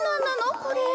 これ。